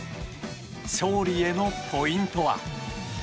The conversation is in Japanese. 勝利へのポイントは。